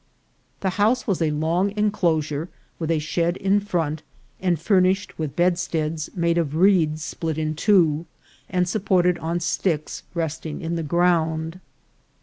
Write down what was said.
The house was a long enclosure, with a shed in front, and furnished with bedsteads made of reeds split into two, and supported on sticks resting in the ground.